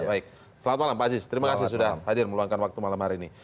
baik selamat malam pak aziz terima kasih sudah hadir meluangkan waktu malam hari ini